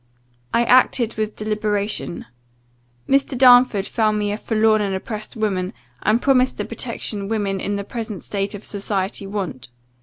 I acted with deliberation. Mr. Darnford found me a forlorn and oppressed woman, and promised the protection women in the present state of society want.